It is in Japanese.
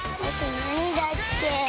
なにだっけ？